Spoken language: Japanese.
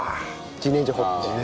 「自然薯掘って」